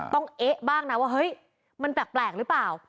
เอ๊ะบ้างนะว่าเฮ้ยมันแปลกหรือเปล่า